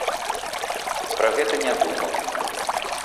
Пра гэта не думаў.